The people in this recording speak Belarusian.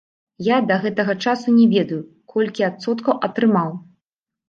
Я да гэтага часу не ведаю, колькі адсоткаў атрымаў.